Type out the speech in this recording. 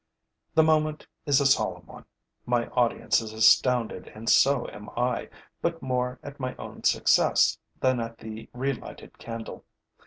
The moment is a solemn one. My audience is astounded and so am I, but more at my own success than at the relighted candle.